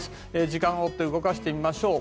時間を追って動かしてみましょう。